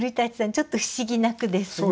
ちょっと不思議な句ですね。